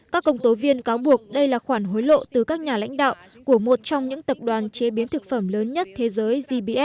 các công tố viên cáo buộc đây là khoản hối lộ từ các nhà lãnh đạo của một trong những tập đoàn chế biến thực phẩm lớn nhất thế giới gbs